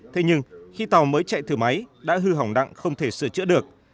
thế nhưng khi tàu mới chạy thử máy đã hư hỏng đặng không thể sửa chữa được